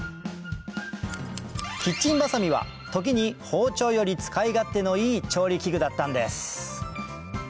キッチンバサミは時に包丁より使い勝手のいい調理器具だったんです